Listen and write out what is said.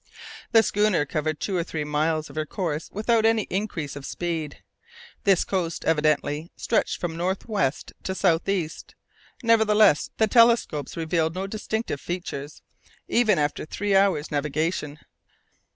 The schooner covered two or three miles of her course without any increase of speed. This coast evidently stretched from north west to south east. Nevertheless, the telescopes revealed no distinctive features even after three hours' navigation.